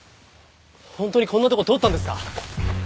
本当にこんなところ通ったんですか？